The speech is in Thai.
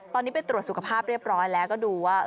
ตอนนี้ไปตรวจสุขภาพเรียบร้อยแล้วก็ดูว่า